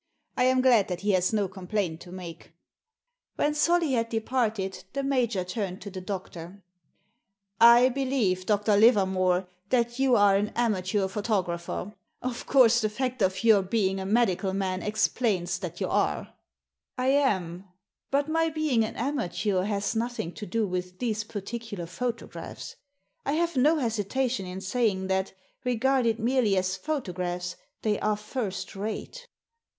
I am glad that he has no complaint to make." When Solly had departed the major turned to the doctor. " I believe, Dr. Livermore, that you are an amateur Digitized by VjOOQIC 52 THE SEEN AND THE UNSEEN photographer ; of course, the fact of your being a medical man explains that you are." '' I am. But my being an amateur has nothing to do with these particular photographs. I have no hesitation in saying that, regarded merely as photo graphs, they are first rate."